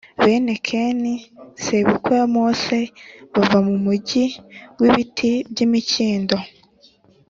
bene keni,+ sebukwe wa mose,+ bava mu mugi w’ibiti by’imikindo+